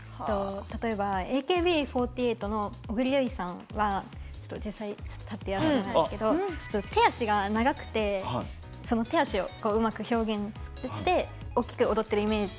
例えば、ＡＫＢ４８の小栗有以さんは実際にやらせていただくんですが手足が長くてその手足をうまく表現して大きく踊ってるイメージ。